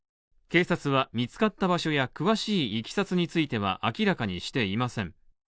警察は、見つかった場所や詳しい経緯については明らかにしていません。